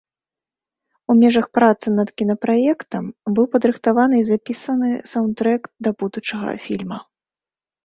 У межах працы над кінапраектам быў падрыхтаваны і запісаны саўндтрэк да будучага фільма.